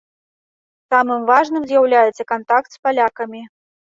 Самым важным з'яўляецца кантакт з палякамі.